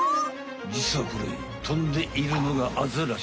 じつはこれ飛んでいるのがアザラシ。